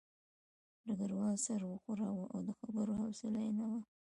ډګروال سر وښوراوه او د خبرو حوصله یې نه وه